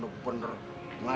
aku di blender tadi bang